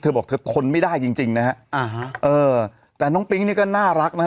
เธอบอกว่าเธอทนไม่ได้จริงนะฮะแต่น้องปิ๊งเนี่ยก็น่ารักนะฮะ